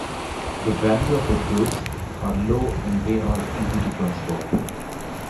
The value of the goods are low and they are easy to transport.